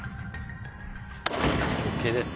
ＯＫです。